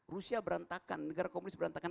rusia berantakan negara komunis berantakan